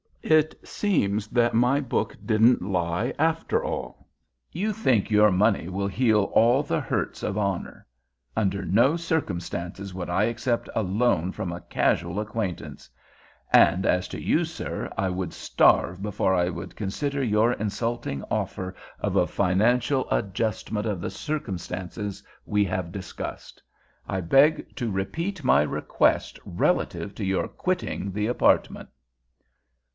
"It seems that my book didn't lie, after all. You think your money salve will heal all the hurts of honor. Under no circumstances would I accept a loan from a casual acquaintance; and as to you, sir, I would starve before I would consider your insulting offer of a financial adjustment of the circumstances we have discussed. I beg to repeat my request relative to your quitting the apartment."